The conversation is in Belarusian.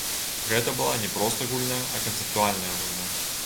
Гэта была не проста гульня, а канцэптуальная гульня.